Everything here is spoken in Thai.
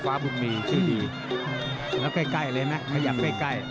ด้วยตึกฟ้าบุ่มมีชื่อดีแล้วก็ใกล้เลยนะไปยังไปใกล้